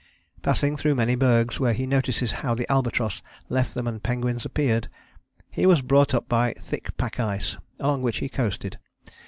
Passing through many bergs, where he notices how the albatross left them and penguins appeared, he was brought up by thick pack ice along which he coasted.